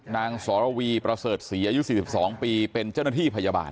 นางสรวีประเสริฐศรีอายุ๔๒ปีเป็นเจ้าหน้าที่พยาบาล